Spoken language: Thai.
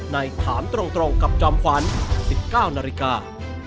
ถามตรงกับจอมขวัญ๑๙นาฬิกา